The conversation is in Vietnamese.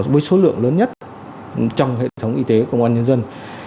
với số lượng lớn nhất trong hệ thống y tế công an nhân dân